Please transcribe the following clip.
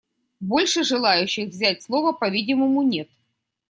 Больше желающих взять слово, по-видимому, нет.